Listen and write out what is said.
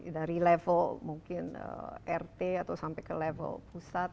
dari level mungkin rt atau sampai ke level pusat